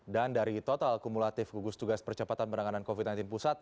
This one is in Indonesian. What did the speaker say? dan dari total kumulatif gugus tugas percabatan penanganan covid sembilan belas pusat